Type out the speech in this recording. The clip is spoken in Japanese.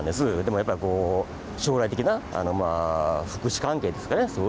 やっぱり将来的な福祉関係ですかね。